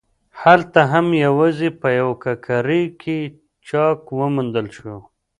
هلته هم یوازې په یوه ککرۍ کې چاک وموندل شو.